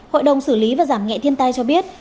hội đồng xử lý và giảm nghệ thiên tai cho biết